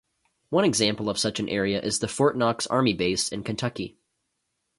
One example of such an area is the Fort Knox Army base in Kentucky.